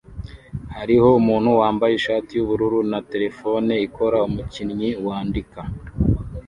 Hariho umuntu wambaye ishati yubururu na terefone ikora umukinnyi wandika